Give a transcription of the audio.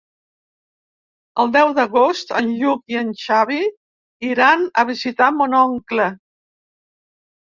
El deu d'agost en Lluc i en Xavi iran a visitar mon oncle.